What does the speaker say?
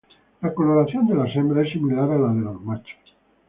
La coloración de las hembras es similar a la de los machos.